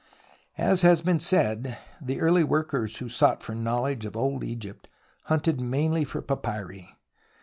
As has been said, the early workers who sought for knowledge of old Egypt hunted mainly for papyri.